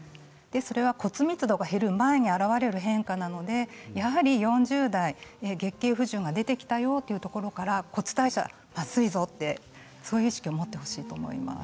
それは骨密度が減る前に現れる変化なので、やはり４０代月経不順が出てきたよというところで骨代謝、まずいぞと、そういう意識を持ってほしいと思います。